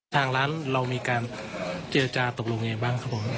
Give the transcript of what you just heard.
ทางร้านเรามีการเจรจาตกลงยังไงบ้างครับผม